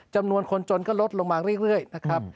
จำนวนคนจนก็ลดลงมาเรื่อยนะครับ